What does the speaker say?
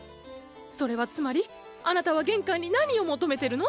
それはつまりあなたは玄関に何を求めてるの？